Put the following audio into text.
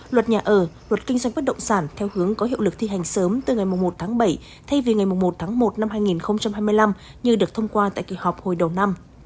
luật nhà ở luật kinh doanh bất động sản theo hướng có hiệu lực thi hành sớm từ ngày một tháng bảy thay vì ngày một tháng một năm hai nghìn hai mươi năm như được thông qua tại kỳ họp hồi đầu năm